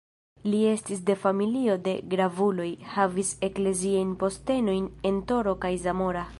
Li estis de familio de gravuloj, havis ekleziajn postenojn en Toro kaj Zamora.